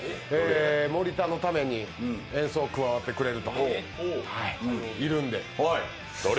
森田のために演奏に加わってくれるという人、いるんで。